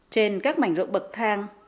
trên các mảnh rộng bậc thang